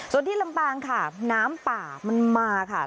ส่วนที่ลำปางค่ะน้ำป่ามันมาค่ะ